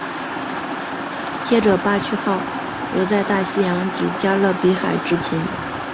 接着巴区号留在大西洋及加勒比海执勤。